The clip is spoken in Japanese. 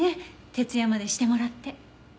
徹夜までしてもらって。